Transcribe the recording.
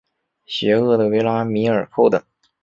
邪恶的维拉米尔寇等。